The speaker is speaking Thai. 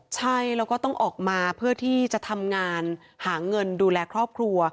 ใช่แล้วก็ต้องออกมาเพื่อที่จะทำงานหาเงินดูแลครอบครัว